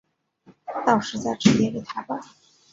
到时再直接给他吧